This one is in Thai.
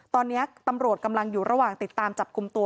ตอนนี้ตำรวจกำลังอยู่ระหว่างติดตามจับกลุ่มตัว